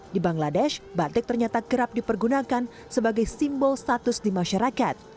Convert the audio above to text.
di bangladesh batik ternyata kerap dipergunakan sebagai simbol status di masyarakat